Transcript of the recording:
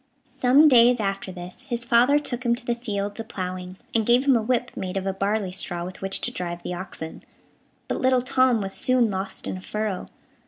Some days after this, his father took him to the fields a ploughing, and gave him a whip, made of a barley straw, with which to drive the oxen; but little Tom was soon lost in a furrow.